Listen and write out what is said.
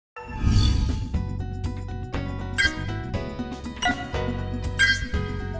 phía tây khu vực bắc và giữa biển đông bao gồm các huyện đảo lý sơn cồn cỏ có gió mạnh dần lên cấp sáu cấp bảy